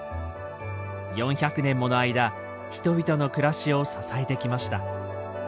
４００年もの間人々の暮らしを支えてきました